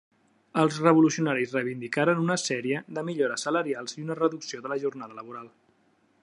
Els revolucionaris reivindicaren una sèrie de millores salarials i una reducció de la jornada laboral.